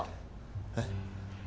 えっ？